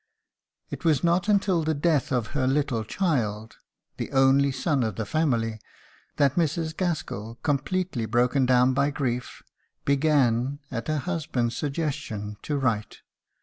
It was not until the death of her little child the only son of the family that Mrs. Gaskell, completely broken down by grief, began, at her husband's suggestion, to write.